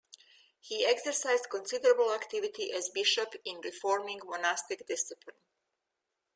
He exercised considerable activity as bishop in reforming monastic discipline.